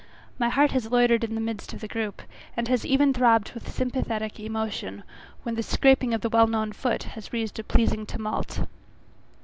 My heart has loitered in the midst of the group, and has even throbbed with sympathetic emotion, when the scraping of the well known foot has raised a pleasing tumult.